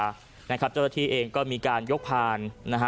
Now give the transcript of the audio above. เจ้าจติเองก็มีการยกพาร